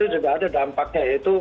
itu sudah ada dampaknya